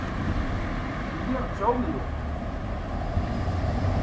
Lliɣ ttɛumuɣ.